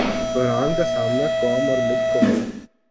بحران کا سامنا قوم اورملک کو ہے۔